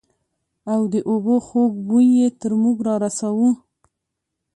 او د اوبو خوږ بوى يې تر موږ رارساوه.